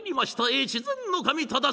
越前守忠相。